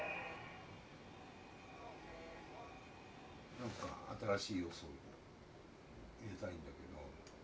何か新しい要素を入れたいんだけど。